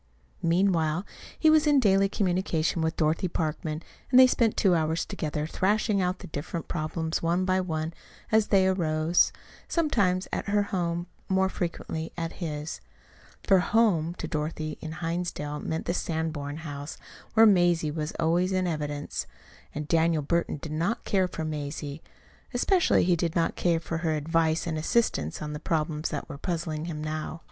Meanwhile he was in daily communication with Dorothy Parkman, and the two spent hours together, thrashing out the different problems one by one as they arose, sometimes at her home, more frequently at his; for "home" to Dorothy in Hinsdale meant the Sanborn house, where Mazie was always in evidence and Daniel Burton did not care for Mazie. Especially he did not care for her advice and assistance on the problems that were puzzling him now.